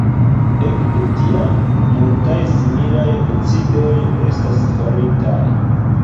Ekde tiam, multaj similaj decidoj estas faritaj.